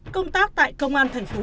công tác tại công an thành phố